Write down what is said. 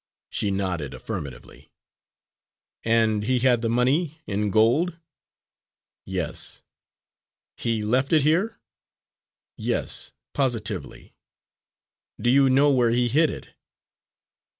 She nodded affirmatively. "And he had the money, in gold?" Yes. "He left it here?" Yes, positively. "Do you know where he hid it?"